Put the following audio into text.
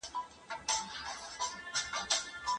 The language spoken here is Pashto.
ګلالۍ په خپل زړه کې د خپلې غوا ارمان کاوه.